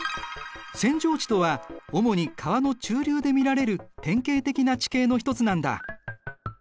扇状地とは主に川の中流で見られる典型的な地形の一つなんだ。